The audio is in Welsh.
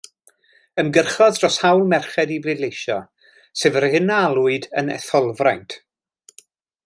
Ymgyrchodd dros hawl merched i bleidleisio, sef yr hyn a alwyd yn etholfraint.